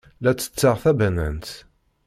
La ttetteɣ tabanant.